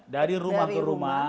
dari rumah ke rumah